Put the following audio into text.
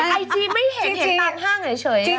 ไอจีไม่เห็นเห็นตามห้างเฉย